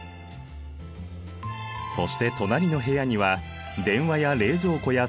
そして隣の部屋には電話や冷蔵庫や洗濯機。